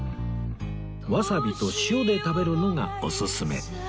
わさびと塩で食べるのがおすすめ